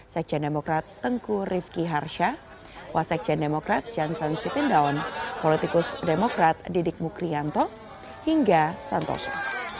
seksyen demokrat tengku rifki harsha waseksyen demokrat jansan sitindaun politikus demokrat didik mukrianto hingga santoso